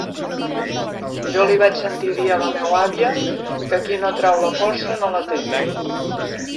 Jo li vaig sentir dir a la meua àvia que qui no trau la força no la té.